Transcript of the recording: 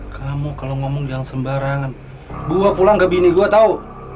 kamu kalau ngomong jangan sembarangan gua pulang ke bini gua tahu